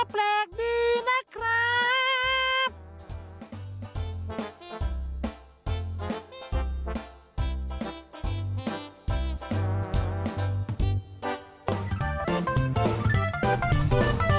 แปลกดีนะครับ